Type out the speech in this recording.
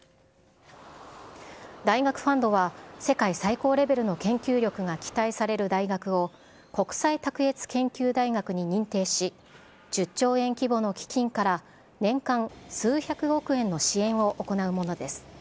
大学ファンドは、世界最高レベルの研究力が期待される大学を、国際卓越研究大学に認定し、１０兆円規模の基金から、年間数百億円の支援を行うものです。